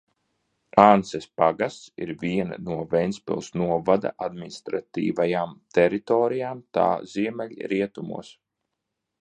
Ances pagasts ir viena no Ventspils novada administratīvajām teritorijām tā ziemeļrietumos.